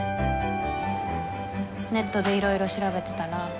ネットでいろいろ調べてたら。